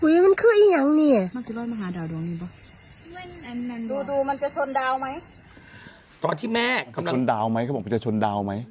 ดูดูมันจะชนดาวไหมตอนที่แม่มันชนดาวไหมเขาบอกมันจะชนดาวไหม